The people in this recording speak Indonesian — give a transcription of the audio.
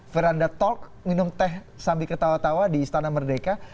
veranda talk minum teh sambil ketawa tawa di istana merdeka